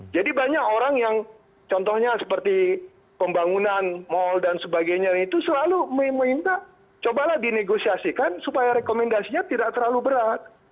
jadi banyak orang yang contohnya seperti pembangunan mal dan sebagainya itu selalu meminta cobalah dinegosiasikan supaya rekomendasinya tidak terlalu berat